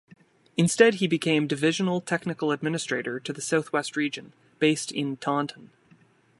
Instead he became divisional technical administrator to the South West region, based in Taunton.